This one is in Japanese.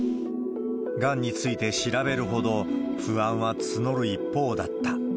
がんについて調べるほど、不安は募る一方だった。